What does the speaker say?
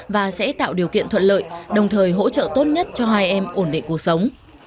và sẽ tạo điều kiện thuận lợi đồng thời hỗ trợ tốt nhất cho hai em ổn định cuộc sống